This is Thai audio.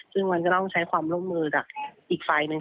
ซึ่งมันก็ต้องใช้ความร่วมมือกับอีกฝ่ายหนึ่ง